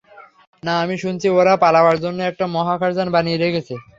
না, আমি শুনেছি ওরা পালাবার জন্য একটা মহাকাশযান বানিয়ে রেখেছে!